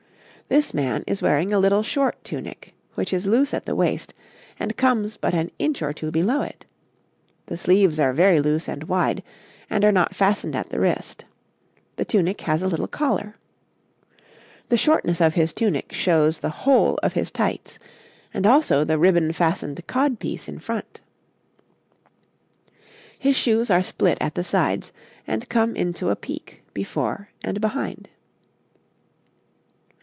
This man is wearing a little short tunic, which is loose at the waist, and comes but an inch or two below it; the sleeves are very loose and wide, and are not fastened at the wrist; the tunic has a little collar. The shortness of his tunic shows the whole of his tights, and also the ribbon fastened cod piece in front. His shoes are split at the sides, and come into a peak before and behind.